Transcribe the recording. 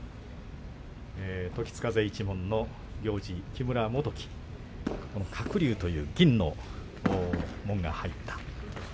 時津風一門の木村元基鶴竜という銀の紋が入った。